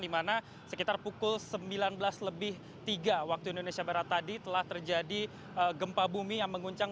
di mana sekitar pukul sembilan belas lebih tiga waktu indonesia barat tadi telah terjadi gempa bumi yang menguncang